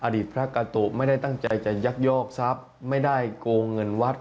อดีตพระกาตุไม่ได้ตั้งใจจะยักยอกทรัพย์ไม่ได้โกงเงินวัด